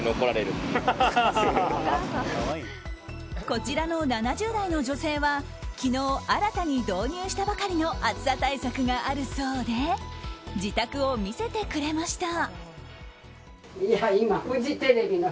こちらの７０代の女性は昨日新たに導入したばかりの暑さ対策があるそうで自宅を見せてくれました。